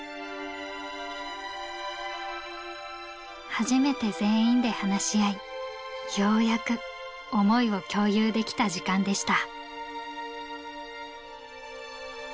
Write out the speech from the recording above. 初めて全員で話し合いようやく思いを共有できた時間でした。